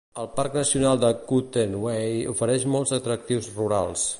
El Parc nacional de Kootenay ofereix molts atractius rurals.